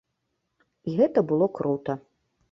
І гэта было крута.